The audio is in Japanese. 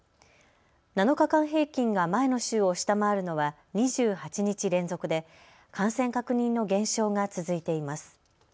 ７日間平均が前の週を下回るのは２８日連続で感染確認の減少が続いています。